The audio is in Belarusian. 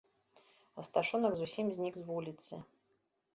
Асташонак зусім знік з вуліцы.